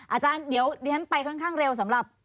อาจารย์เดี๋ยวดิฉันไปค่อนข้างเร็วสำหรับ